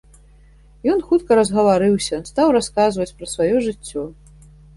Ён хутка разгаварыўся, стаў расказваць пра сваё жыццё.